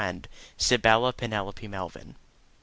friend, SYBYLLA PENELOPE MELVYN.